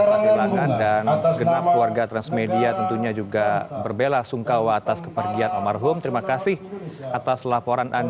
hal yang benar keluarga transmedia tentunya juga berbela sungkawa atas nova as gracias atas laporan